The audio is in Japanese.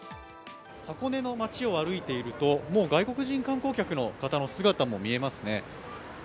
箱根の町を歩いていると、もう外国人観光客の方の姿も見えますね。